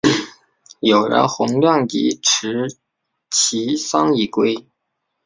友人洪亮吉持其丧以归。